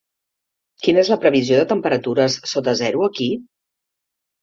Quina és la previsió de temperatures sota zero aquí?